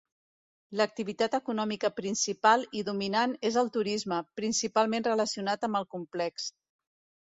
L'activitat econòmica principal i dominant és el turisme, principalment relacionat amb el complex.